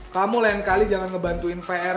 kamu lain kali jangan ngebantuin pr